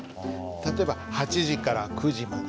例えば８時から９時まで。